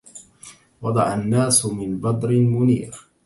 وضج الناس من بدر منير